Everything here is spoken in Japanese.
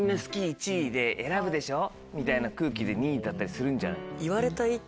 １位で選ぶでしょみたいな空気で２位だったりするんじゃない？